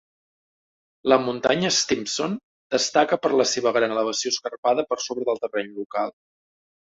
La muntanya Stimson destaca per la seva gran elevació escarpada per sobre del terreny local.